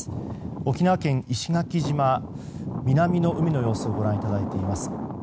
沖縄県石垣島、南の海の様子をご覧いただいています。